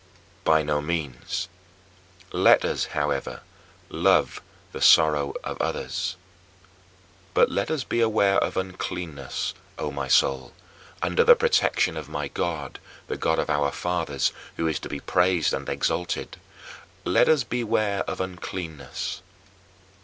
By no means! Let us, however, love the sorrows of others. But let us beware of uncleanness, O my soul, under the protection of my God, the God of our fathers, who is to be praised and exalted let us beware of uncleanness.